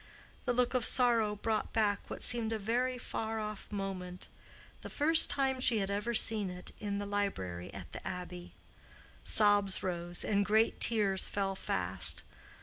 The look of sorrow brought back what seemed a very far off moment—the first time she had ever seen it, in the library at the Abbey. Sobs rose, and great tears fell fast.